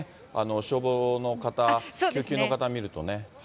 消防の方、救急の方、見るとね。